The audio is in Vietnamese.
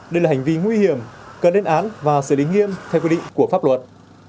đây là hành vi nguy hiểm cần đến án và xử lý nghiêm theo quy định của pháp luật